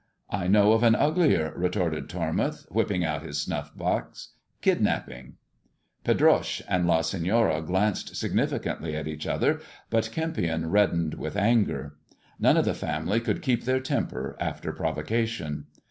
" I know of an uglier," retorted Tormouth, whipping out his snuff box—" kidnapping !" Fedroche and La Senora glanced signiflcantly at eub other, but Kempion reddened with anger. None of thd family could keep their temper after provocation.